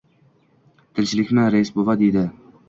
— Tinchlikmi, rais bova? — dedi.